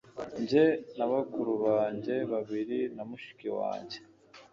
jye na bakuru banjye babiri na mushiki wanjye,